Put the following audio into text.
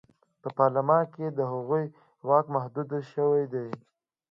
په پارلمان کې د هغوی واک محدود شوی و.